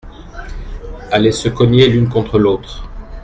Aller se cogner l’une contre l’autre.